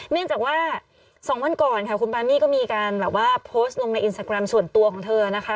เนื่องจากว่า๒วันก่อนค่ะคุณปามี่ก็มีการแบบว่าโพสต์ลงในอินสตาแกรมส่วนตัวของเธอนะคะ